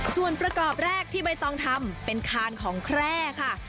ส่วนประกอบแรกที่ใบตองทำเป็นคานของแคร่ค่ะ